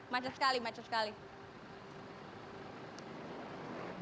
macet sekali macet sekali